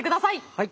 はい。